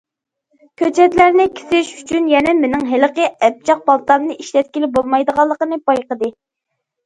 كۆچەتلەرنى كېسىش ئۈچۈن يەنە مېنىڭ ھېلىقى ئەبجەق پالتامنى ئىشلەتكىلى بولمايدىغانلىقىنى بايقىدى.